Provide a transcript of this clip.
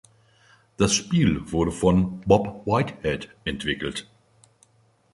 Das Spiel wurde von Bob Whitehead entwickelt.